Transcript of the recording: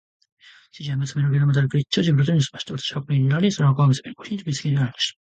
主人は娘のグラムダルクリッチを自分の後に乗せました。私は箱に入れられ、その箱は娘の腰に結びつけてありました。